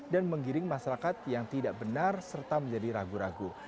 dan menggiring masyarakat yang tidak benar serta menjadi ragu ragu